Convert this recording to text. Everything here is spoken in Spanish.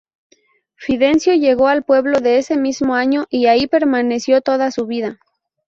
Fidencio llegó al pueblo ese mismo año, y ahí permaneció toda su vida.